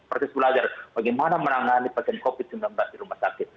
persis belajar bagaimana menangani pasien covid sembilan belas di rumah sakit